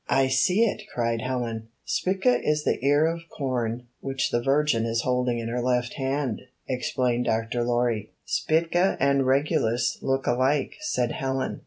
"I see it!" cried Helen. 34 "Spica is the ear of com which the Virgin is holding in her left hand/' explained Dr. Lorry. ''Spica and Regulus look alike," said Helen.